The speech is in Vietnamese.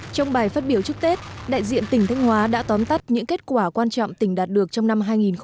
trong bài phát biểu chúc tết đại diện tỉnh thanh hóa đã tóm tắt những kết quả quan trọng tỉnh đạt được trong năm hai nghìn một mươi chín